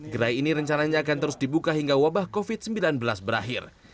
gerai ini rencananya akan terus dibuka hingga wabah covid sembilan belas berakhir